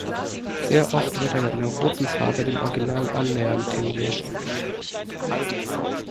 Sehr oft wird er in einer roten Farbe dem Original annähernd tingiert.